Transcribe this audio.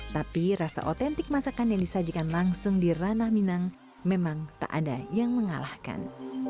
tapi rasa otentik masakan yang disajikan langsung di ranah minang memang tak ada yang mengalahkan